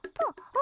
あ！